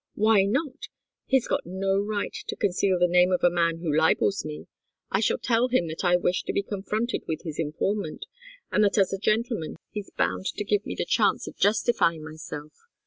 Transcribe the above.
"Why not? He's got no right to conceal the name of a man who libels me. I shall tell him that I wish to be confronted with his informant, and that as a gentleman he's bound to give me the chance of justifying myself.